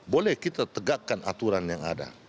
boleh kita tegakkan aturan yang ada